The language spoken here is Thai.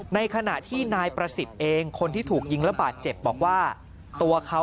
ในขณะที่นายประสิทธิ์เองคนที่ถูกยิงและบาดเจ็บบอกว่าตัวเขา